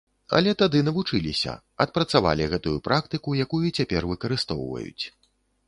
Але тады навучыліся, адпрацавалі гэтую практыку, якую цяпер выкарыстоўваюць.